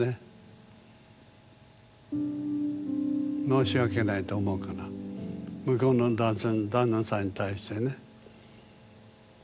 申し訳ないと思うから向こうの旦那さんに対してね。